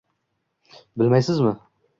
-Bilmaysizmi?